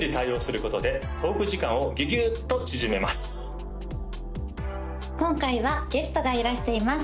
そこで今回はゲストがいらしています